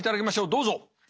どうぞ！